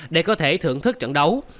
để có thể thưởng thức trận đấu